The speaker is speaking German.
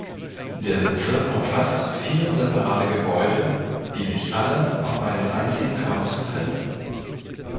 Der Bezirk umfasst vier separate Gebäude, die sich alle auf einem einzigen Campus befinden.